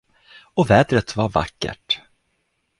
Och vädret var vackert.